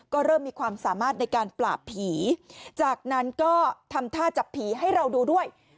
ก็เริ่มมีความสามารถในการปราบผีจากนั้นก็ทำท่าจับผีให้เราดูด้วย